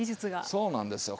そうなんですよ。